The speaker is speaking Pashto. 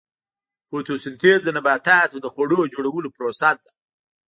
فوتوسنتیز د نباتاتو د خوړو جوړولو پروسه ده